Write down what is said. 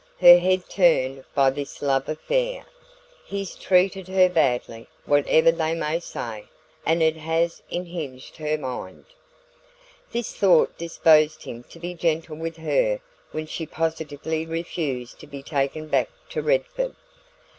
"Her head turned by this love affair. He's treated her badly, whatever they may say, and it has unhinged her mind." This thought disposed him to be gentle with her when she positively refused to be taken back to Redford.